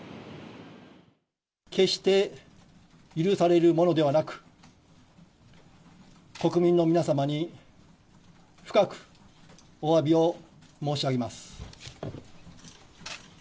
決して許されるものではなく、国民の皆様に深くおわびを申し上げます。